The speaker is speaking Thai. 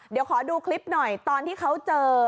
เดี๋ยวขอดูคลิปหน่อยตอนที่เขาเจอ